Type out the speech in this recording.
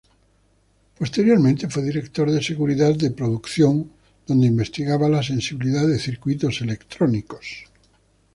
Posteriormente fue director de seguridad de producción, donde investigaba la sensibilidad de circuitos electrónicos.